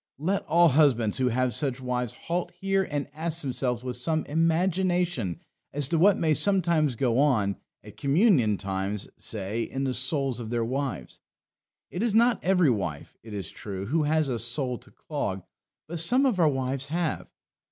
Let all husbands who have such wives halt here and ask themselves with some imagination as to what may sometimes go on, at communion times, say, in the souls of their wives. It is not every wife, it is true, who has a soul to clog; but some of our wives have.